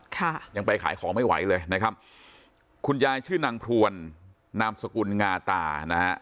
ค่ะยังไปขายของไม่ไหวเลยนะครับคุณยายชื่อนางพรวนนามสกุลงาตานะฮะ